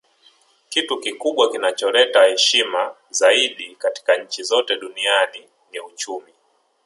Kitu kikubwa kinacholeta heshima zaidi katika nchi zote duniani ni uchumi